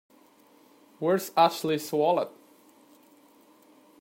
Where's Ashley's wallet?